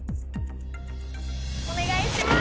お願いします！